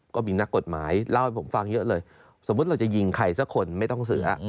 ก็มีนักกฎหมายเล่าให้ผมฟังเยอะเลยสมมุติเราจะยิงใครสักคนไม่ต้องเสือ